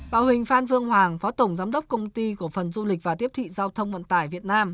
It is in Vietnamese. bảo huỳnh phan phương hoàng phó tổng giám đốc công ty của phần du lịch và tiếp thị giao thông vận tải việt nam